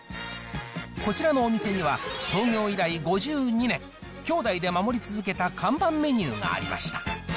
こちらのお店には、創業以来５２年、兄弟で守り続けた看板メニューがありました。